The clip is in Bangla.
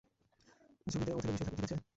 ছবিতে ওথেলো বিষয় থাকবে, ঠিক আছে?